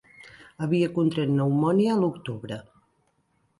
Havia contret pneumònia a l'octubre.